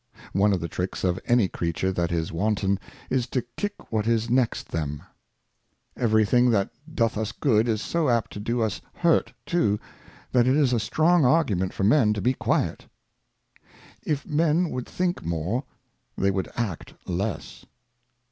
One of the Tricks of any Creature that is wanton, is to kick what is next them. Quiet. EVERY thing that doth us good is so apt to do us hurt too, that it is a strong Argument for Men to be quiet. If Men would think more, they would act less.